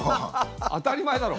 当たり前だろ。